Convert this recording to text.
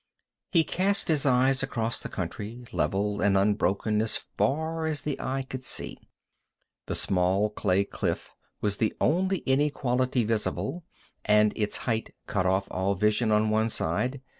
He cast his eyes across the country, level and unbroken as far as the eye could see. The small clay cliff was the only inequality visible, and its height cut off all vision on one side.